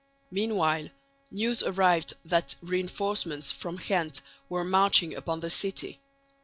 Meanwhile news arrived that reinforcements from Ghent were marching upon the city.